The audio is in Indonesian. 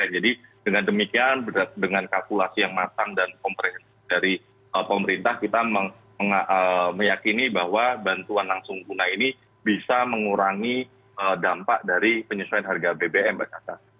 jadi pemerintah kita meyakini bahwa bantuan langsung tunai ini bisa mengurangi dampak dari penyesuaian harga bbm mbak cata